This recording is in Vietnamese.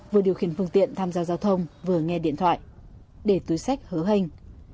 vừa điều khiển phương tiện tham gia giao thông vừa nghe điện thoại để túi sách hứa hình